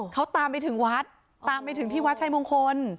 เขาตามไปถึงวัดตามไปถึงที่วัดชายมงคล